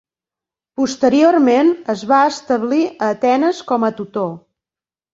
Posteriorment es va establir a Atenes com a tutor.